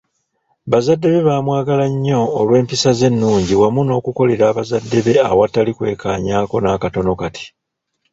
Bazadde be baamwagala nnyo olw’empisa ze ennungi wamu n'okukolera bazadde be awatali kwekaanyaako n’akatono kati.